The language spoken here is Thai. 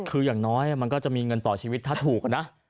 คืออย่างน้อยมันก็จะมีเงินต่อชีวิตถ้าถูกนะ